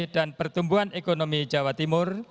dan pertumbuhan ekonomi jawa timur